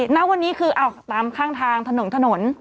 นั่ววันนี้คือตามข้างทางถนน